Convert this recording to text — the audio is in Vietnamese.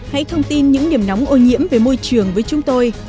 hãy thông tin những điểm nóng ô nhiễm về môi trường với chúng tôi